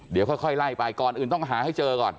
เดี๋ยวค่อยไล่ไปก่อนอื่นต้องหาให้เจอก่อน